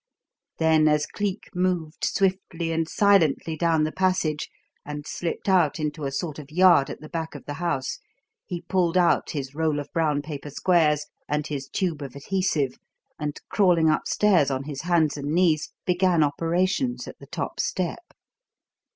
Then, as Cleek moved swiftly and silently down the passage and slipped out into a sort of yard at the back of the house, he pulled out his roll of brown paper squares and his tube of adhesive, and crawling upstairs on his hands and knees, began operations at the top step.